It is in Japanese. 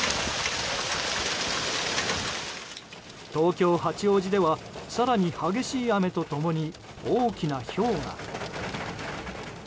東京・八王子では更に激しい雨と共に大きなひょうが。